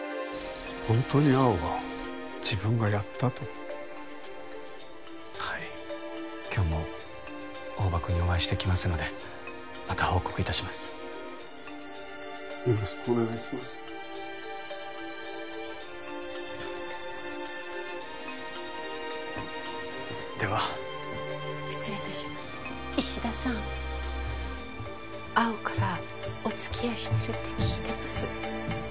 本当に蒼生は「自分がやった」とはい今日も大庭君にお会いしてきますのでまた報告いたしますよろしくお願いしますでは失礼いたします石田さん蒼生からおつきあいしてるって聞いてます